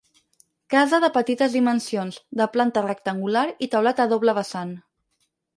Casa de petites dimensions, de planta rectangular i teulat a doble vessant.